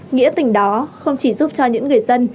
nghĩa tình đó không chỉ giúp cho những người dân